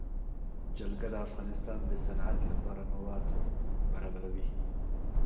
جلګه د افغانستان د صنعت لپاره مواد برابروي.